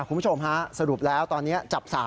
คุณผู้ชมฮะสรุปแล้วตอนนี้จับ๓